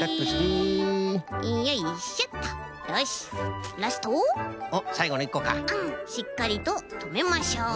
しっかりととめましょう。